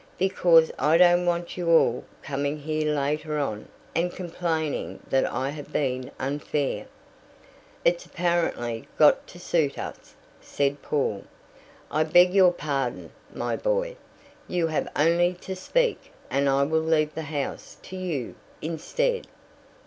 "Because I don't want you all coming here later on and complaining that I have been unfair." "It's apparently got to suit us," said Paul. "I beg your pardon, my boy. You have only to speak, and I will leave the house to you instead."